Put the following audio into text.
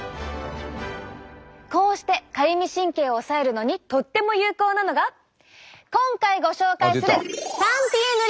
こうしてかゆみ神経を抑えるのにとっても有効なのが今回ご紹介する３Ｔ塗り！